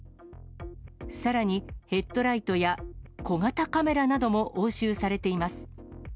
さらにヘッドライトや小型カメラなども押収されています。